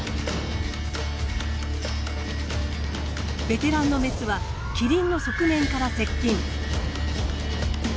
ベテランのメスはキリンの側面から接近。